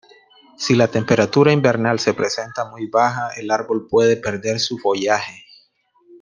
Si la temperatura invernal se presenta muy baja el árbol puede perder su follaje.